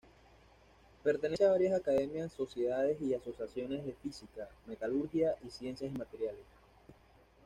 Pertenece a varias academias, sociedades y asociaciones de física, metalurgia y ciencias de materiales.